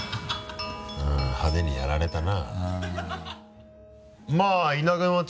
派手にやられたな。